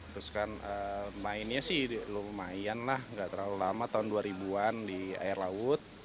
terus kan mainnya sih lumayan lah gak terlalu lama tahun dua ribu an di air laut